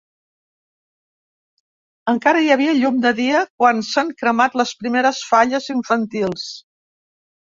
Encara hi havia llum de dia, quan s’han cremat les primeres falles infantils.